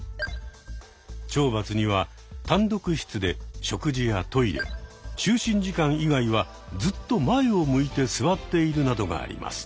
懲罰には単独室で食事やトイレ就寝時間以外はずっと前を向いて座っているなどがあります。